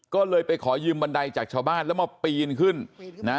ก็เลยไปขอยืมบันไดจากชาวบ้านแล้วมาปีนขึ้นนะ